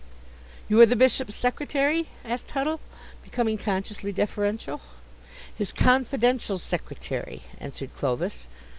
"You are the Bishop's secretary?" asked Huddle, becoming consciously deferential. "His confidential secretary," answered Clovis.